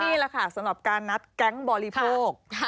นี่แหละค่ะสำหรับการนัดแก๊งบริโภค